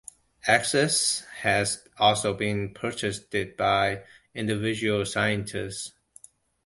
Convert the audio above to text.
Access has also been purchased by individual scientists.